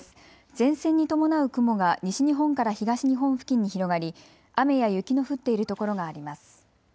前線に伴う雲が西日本から東日本付近に広がり雨や雪の降っている所があります。